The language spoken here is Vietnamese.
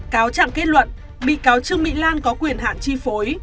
cáo trạng kết luận bị cáo trương mỹ lan có quyền hạn chi phối